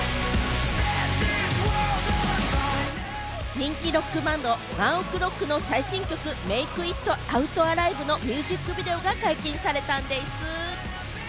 人気ロックバンドＯＮＥＯＫＲＯＣＫの最新曲、『ＭａｋｅＩｔＯｕｔＡｌｉｖｅ』のミュージックビデオが解禁されたんでぃす。